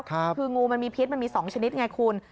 คืองูมันมีพิษมันมี๒ชนิดไงคุณ